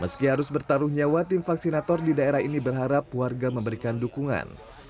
meski harus bertaruh nyawa tim vaksinator di daerah ini berharap warga memberikan dukungan